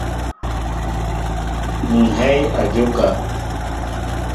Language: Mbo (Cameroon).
Ŋhɛy a njóka.